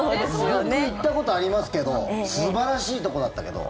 僕行ったことありますけど素晴らしいところだったけど。